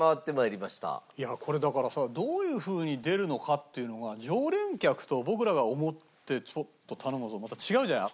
いやこれだからさどういうふうに出るのかっていうのが常連客と僕らが思ってちょっと頼むのとまた違うじゃない。